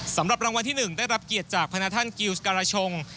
สำหรับรางวัลที่๑ได้รับเกียรติจากพนักท่านกิวสการาชง